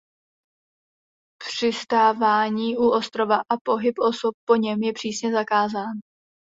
Přistávání u ostrova a pohyb osob po něm je přísně zakázán.